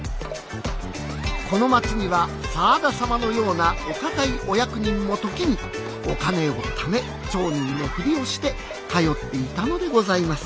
この街には沢田様のようなお堅いお役人も時にお金をため町人のふりをして通っていたのでございます。